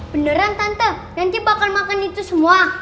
beneran tante nanti bakal makan itu semua